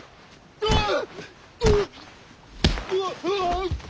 うわっ！